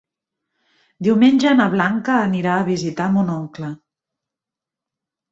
Diumenge na Blanca anirà a visitar mon oncle.